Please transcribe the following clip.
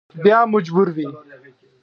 بیا مجبور وي.